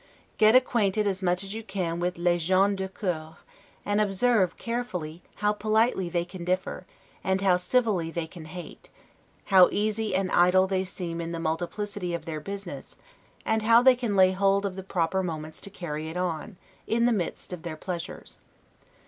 Get acquainted as much as you can with 'les gens de cour'; and observe, carefully, how politely they can differ, and how civilly they can hate; how easy and idle they can seem in the multiplicity of their business; and how they can lay hold of the proper moments to carry it on, in the midst of their pleasures.